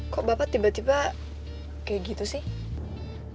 kok bapak tiba tiba kayak gitu sih